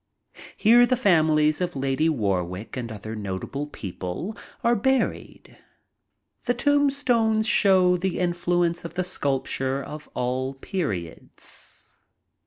Here the famiHes of Lady Warwick and other notable people are buried. The tombstones show the influence of the sculpture of all periods.